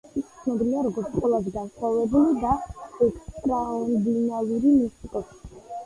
ის ცნობილია როგორც ყველაზე განსხვავებული და ექსტრაორდინალური მუსიკოსი.